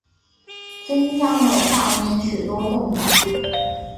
增加了画面许多动感